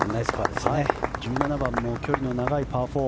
１７番も距離の長いパー